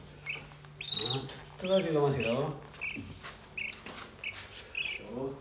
もうちょっとだけ我慢してよ。